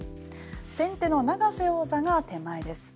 先手の永瀬王座が手前です。